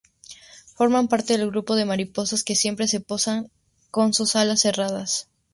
Forman parte del grupo de mariposas que siempre se posan con sus alas cerradas.